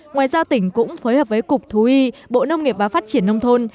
ngoài ra tỉnh cũng phối hợp với cục thú y bộ nông nghiệp và phát triển nông thôn